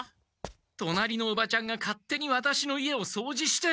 隣のおばちゃんが勝手にワタシの家を掃除して。